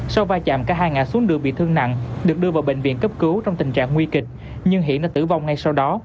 sau va chạm cả hai ngã xuống đường bị thương nặng được đưa vào bệnh viện cấp cứu trong tình trạng nguy kịch nhưng hiển đã tử vong ngay sau đó